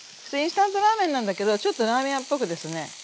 インスタントラーメンなんだけどちょっとラーメン屋っぽくですね